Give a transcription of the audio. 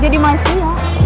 jadi masih ya